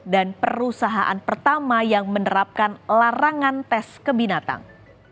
perusahaan pertama yang menerapkan larangan tes ke binatang